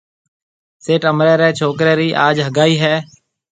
سيٺ امريَ ريَ ڇوڪريَ رِي آج هگائي هيَ۔